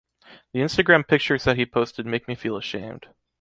The Instagram pictures that he posted make me feel ashamed.